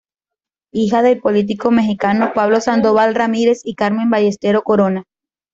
Hija del político mexicano Pablo Sandoval Ramírez y Carmen Ballesteros Corona.